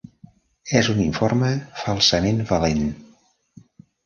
És un informe falsament valent.